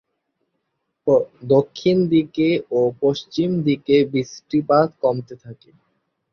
দক্ষিণ দিকে ও পশ্চিম দিকে বৃষ্টিপাত কমতে থাকে।